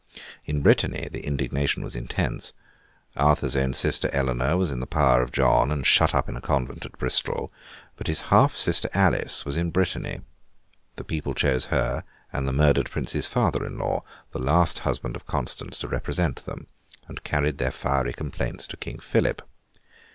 In Brittany, the indignation was intense. Arthur's own sister Eleanor was in the power of John and shut up in a convent at Bristol, but his half sister Alice was in Brittany. The people chose her, and the murdered prince's father in law, the last husband of Constance, to represent them; and carried their fiery complaints to King Philip.